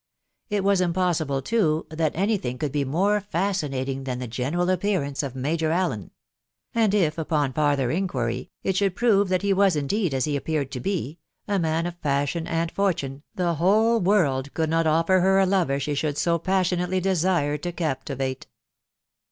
It was impossible, too, that any thing could be more fascinating than the general appearance of Major Allen ; and if, upon farther inquiry, it should prove that he was indeed, as he appeared to be, a man of fashion and fortune, the whole world could not offer her a lover she should so pas sionately desire to captivate